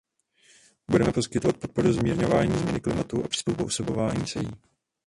Budeme poskytovat podporu zmírňování změny klimatu a přizpůsobování se jí.